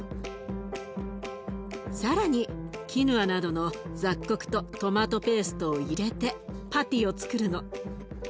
更にキヌアなどの雑穀とトマトペーストを入れてパティをつくるの。